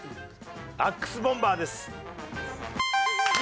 アックスボンバーです。